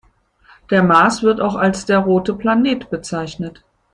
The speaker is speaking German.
Der Mars wird auch als der „rote Planet“ bezeichnet.